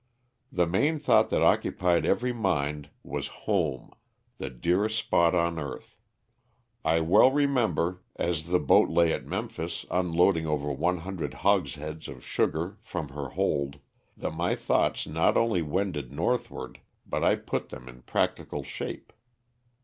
The main thought that occupied every mind was home, the dearest spot on earth. I well remember, as the boat lay at Memphis unloading over one hundred hogsheads of sugar from her hold, that my thoughts not only wended north ward, but I put them ia practical shape.